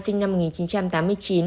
sinh năm một nghìn chín trăm tám mươi chín